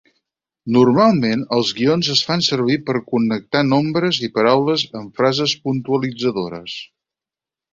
Normalment els guions es fan servir per connectar nombres i paraules en frases puntualitzadores.